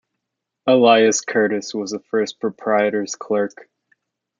Elias Curtis was the first proprietors' clerk.